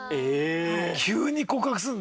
急に告白するんだ？